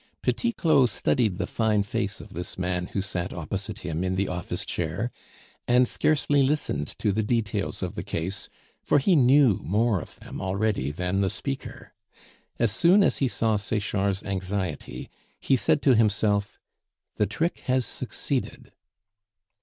Petit Claud studied the fine face of this man who sat opposite him in the office chair, and scarcely listened to the details of the case, for he knew more of them already than the speaker. As soon as he saw Sechard's anxiety, he said to himself, "The trick has succeeded."